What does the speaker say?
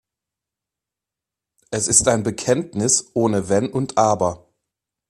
Es ist ein Bekenntnis ohne Wenn und Aber.